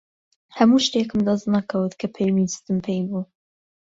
هەموو شتێکم دەست نەکەوت کە پێویستم پێی بوو.